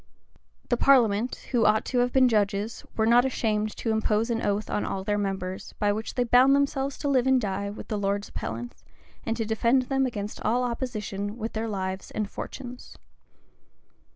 The parliament, who ought to have been judges, were not ashamed to impose an oath on all their members, by which they bound themselves to live and die with the lords appellants, and to defend them against all opposition with their lives and fortunes.